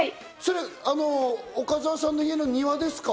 岡澤さんの家の庭ですか？